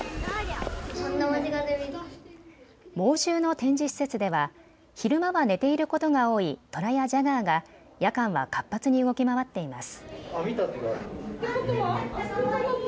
猛獣の展示施設では昼間は寝ていることが多いトラやジャガーが夜間は活発に動き回っています。